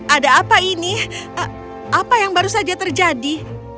ada apa ini apa yang baru saja terjadi